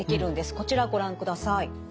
こちらご覧ください。